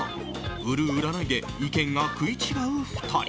売る、売らないで意見が食い違う２人。